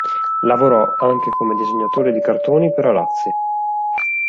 Lavorò anche come disegnatore di cartoni per arazzi.